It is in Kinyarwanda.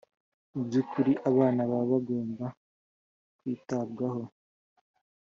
mu by’ukuri abana baba bagomba kwitabwaho